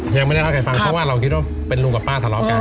ยังไม่ได้เล่าให้ฟังเพราะว่าเราคิดว่าเป็นลุงกับป้าทะเลาะกัน